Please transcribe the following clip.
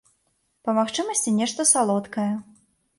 Па магчымасці нешта салодкае.